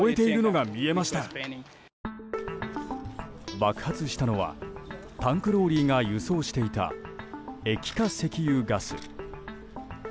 爆発したのはタンクローリーが輸送していた液化石油ガス。